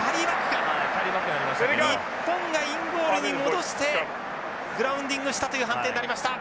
日本がインゴールに戻してグラウンディングしたという判定になりました。